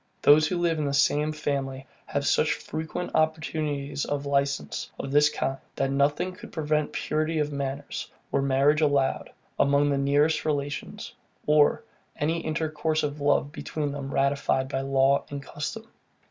Those who live in the same family have such frequent opportunities of licence of this kind, that nothing could prevent purity of manners, were marriage allowed, among the nearest relations, or any intercourse of love between them ratified by law and custom.